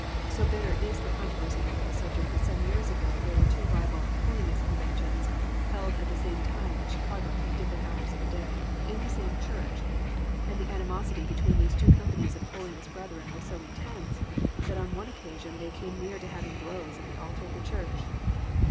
So bitter is the controversy over the subject that some years ago there were two rival "holiness conventions" held at the same time in Chicago at different hours of the day, in the same church, and the animosity between these two companies of "holiness brethren" was so intense that on one occasion they came near to having blows at the altar of the church.